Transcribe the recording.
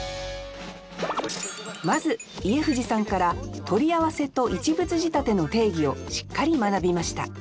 まず家藤さんから取り合わせと一物仕立ての定義をしっかり学びました